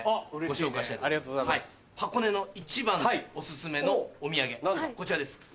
箱根の一番のオススメのお土産こちらです。